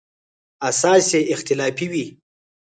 اساس یې اختلافي وي.